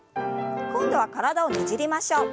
今度は体をねじりましょう。